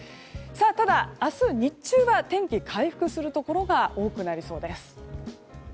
ただ、明日日中は天気、回復するところが多くなりそうです。